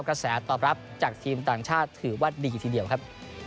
กระแสตอบรับจากทีมต่างชาติถือว่าดีทีเดียวครับ